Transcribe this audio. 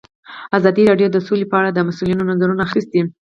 ازادي راډیو د سوله په اړه د مسؤلینو نظرونه اخیستي.